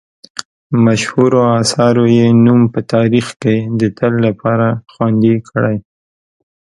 مشهورو اثارو یې نوم په تاریخ کې د تل لپاره خوندي کړی.